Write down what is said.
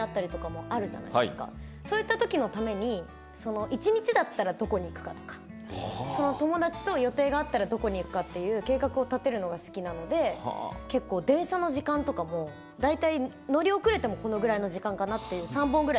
そういった時のために１日だったらどこに行くかとか友達と予定が合ったらどこに行くかっていう計画を立てるのが好きなので結構電車の時間とかも大体乗り遅れてもこのぐらいの時間かなっていう。